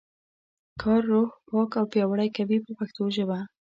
کار روح پاک او پیاوړی کوي په پښتو ژبه.